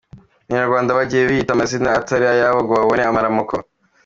Abanyarwanda bagiye biyita amazina atari ayabo ngo babone amaramuko.